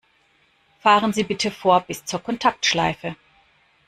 Fahren Sie bitte vor bis zur Kontaktschleife!